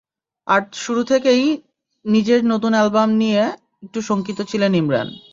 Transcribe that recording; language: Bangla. তাই শুরু থেকেই নিজের নতুন অ্যালবাম নিয়ে একটু শঙ্কিত ছিলেন ইমরান।